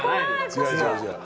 違う違う違う。